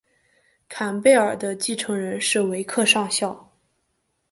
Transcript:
坎贝尔的继承人是维克上校。